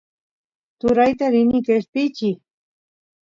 turayta rini qeshpichiy